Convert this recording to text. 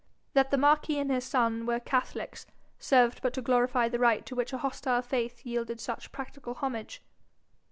That the marquis and his son were catholics served but to glorify the right to which a hostile faith yielded such practical homage.